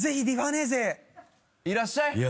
いらっしゃい。